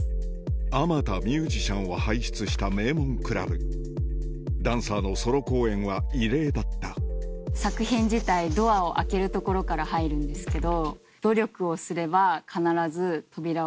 あまたミュージシャンを輩出した名門クラブダンサーのソロ公演は異例だった作品自体ドアを開けるところから入るんですけど。